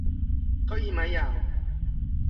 เก้าอี้ม้ายาว